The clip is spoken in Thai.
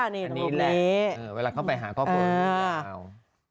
นี่แหละเวลาเข้าไปหาข้อความรู้สึก